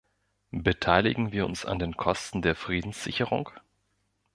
Beteiligen wir uns an den Kosten der Friedenssicherung?